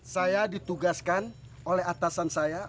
saya ditugaskan oleh atasan saya